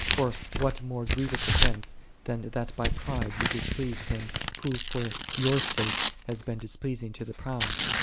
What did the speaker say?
For what more grievous offense, than that by pride thou displease Him, Who for thy ' sake hath been displeasing to the proud